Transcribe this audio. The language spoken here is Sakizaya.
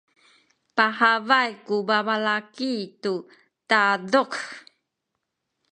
pahabay ku babalaki tu taduk.